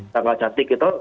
tangga cantik gitu